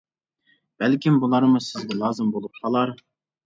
بەلكىم بۇلارمۇ سىزگە لازىم بولۇپ قالار.